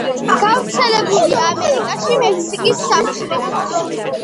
გავრცელებულია ამერიკაში, მექსიკის სამხრეთით.